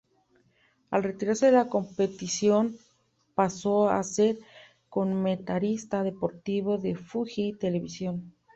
Al retirarse de la competición pasó a ser comentarista deportivo de Fuji Television.